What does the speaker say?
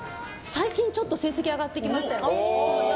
最近、ちょっと成績上がってきましたよ。